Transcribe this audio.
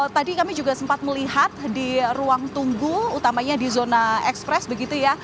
tadi kami juga sempat melihat di ruang tunggu utamanya di zona ekspres begitu ya